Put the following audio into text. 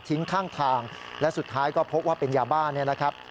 ข้างทางและสุดท้ายก็พบว่าเป็นยาบ้าเนี่ยนะครับ